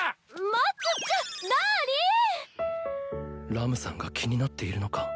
ラムさんが気になっているのか？